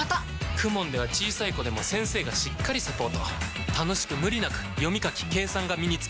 ＫＵＭＯＮ では小さい子でも先生がしっかりサポート楽しく無理なく読み書き計算が身につきます！